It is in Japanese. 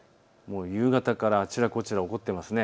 夕方からあちらこちらで起こっていますね。